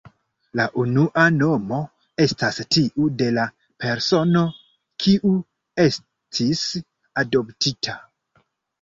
La unua nomo estas tiu de la persono, kiu estis adoptita.